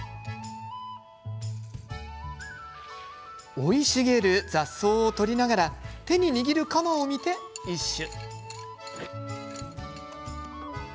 生い茂る雑草を取りながら手に握る鎌を見て、一首。